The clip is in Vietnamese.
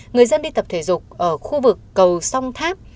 người dân đi tập thể dục ở khu vực cầu song tháp